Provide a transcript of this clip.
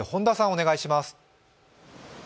お願いします。